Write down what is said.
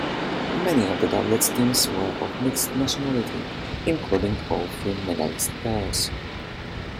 Many of the doubles teams were of mixed nationality, including all three medalist pairs.